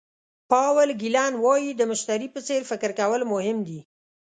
پاول ګیلن وایي د مشتري په څېر فکر کول مهم دي.